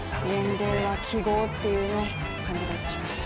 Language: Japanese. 年齢は記号という感じがしますね。